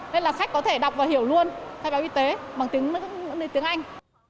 nên là khách có thể đọc và hiểu luôn khai báo y tế bằng tiếng anh